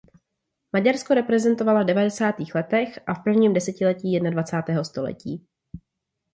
Maďarsko reprezentovala v devadesátých letech a v prvním desetiletí jednadvacátého století.